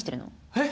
「えっ？